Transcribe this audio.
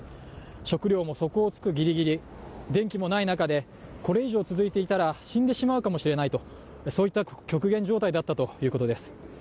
食料も底をつくギリギリ、電気もない中でこれ以上続いていたら死んでしまうかもしれないとそういった極限状態だったということです。